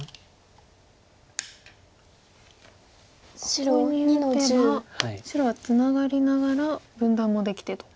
ここに打てば白はツナがりながら分断もできてと。